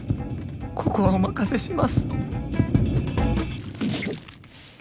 ここはお任せします